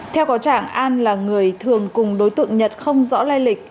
theo có trạng an là người thường cùng đối tượng nhật không rõ lai lịch